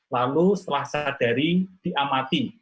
lalu setelah sadari diamati